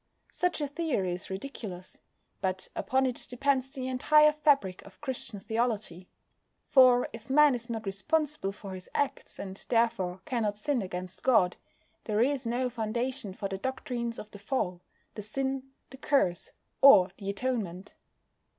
Such a theory is ridiculous; but upon it depends the entire fabric of Christian theology. For if Man is not responsible for his acts, and therefore cannot sin against God, there is no foundation for the doctrines of the Fall, the Sin, the Curse, or the Atonement.